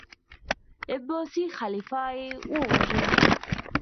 عباسي خلیفه یې وواژه.